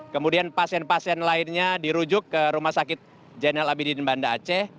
kemudian pasien pasien lainnya dirujuk ke rumah sakit jainal abidin banda aceh